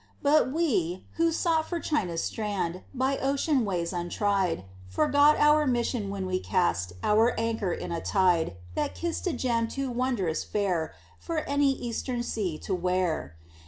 But we, who sought for China's strand By ocean ways untried, Forgot our mission when we cast Our anchor in a tide That kissed a gem too wondrous fair For any eastern sea to wear!